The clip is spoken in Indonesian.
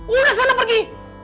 udah sana pergi